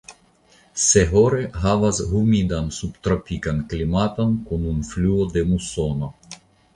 Sehore havas humidan subtropikan klimaton kun influo de musono.